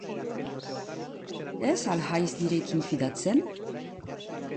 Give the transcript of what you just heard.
Ez al haiz nirekin fidatzen?